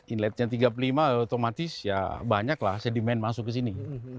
inletnya tiga puluh lima otomatis ya banyaklah sedimen masuk ke sini